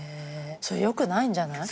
それよくないんじゃない？